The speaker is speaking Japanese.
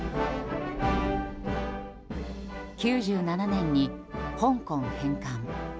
９７年に香港返還。